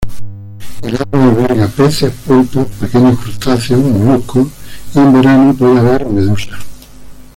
El agua alberga peces, pulpos, pequeños crustáceos, moluscos y en verano puede haber medusas.